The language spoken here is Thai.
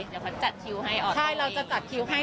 เดี๋ยวเขาจัดคิวให้ออกใช่เราจะจัดคิวให้